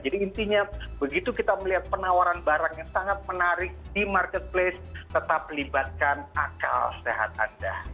jadi intinya begitu kita melihat penawaran barang yang sangat menarik di marketplace tetap melibatkan akal sehat anda